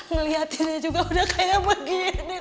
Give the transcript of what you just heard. ngelihatinnya juga udah kayak begini